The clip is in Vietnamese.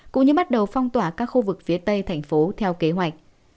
cũng như bắt đầu phong tỏa các khu vực phía tây thành phố theo kế hoạch